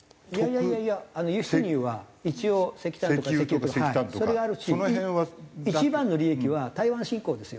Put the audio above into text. いやいや輸出入は一応石炭とか石油とかそれがあるし一番の利益は台湾侵攻ですよ。